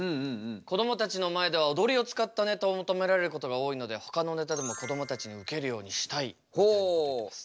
こどもたちの前では踊りを使ったネタを求められることが多いのでほかのネタでもこどもたちにウケるようにしたいみたいなこと言ってます。